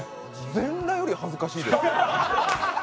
全裸より恥ずかしいで。